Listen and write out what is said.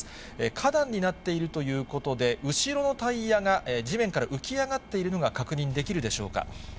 花壇になっているということで、後ろのタイヤが、地面から浮き上がっているのが確認できるでしょうか。